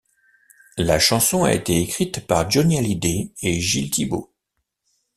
La chanson a été écrite par Johnny Hallyday et Gilles Thibaut.